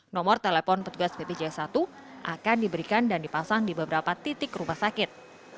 nomor telepon petugas bpjs satu akan diberikan dan dipasang di beberapa titik rumah sakit